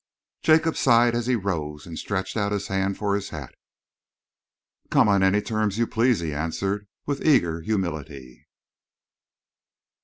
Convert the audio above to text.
Jacob sighed as he rose and stretched out his hand for his hat. "Come on any terms you please," he answered, with eager humility.